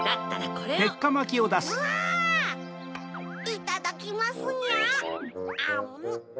いただきますにゃ。